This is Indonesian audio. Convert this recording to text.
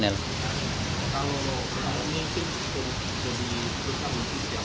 kemarin sudah dijelaskan sama